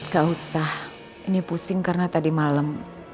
gak usah ini pusing karena tadi malam